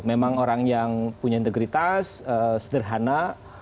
memang orang yang punya integritas sederhana